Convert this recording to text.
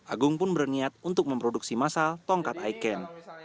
agung pun berniat untuk memproduksi masal tongkat iken